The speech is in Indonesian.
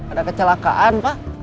ada kecelakaan pak